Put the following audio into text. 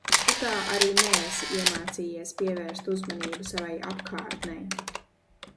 Tu tā arī neesi iemācījies pievērst uzmanību savai apkārtnei!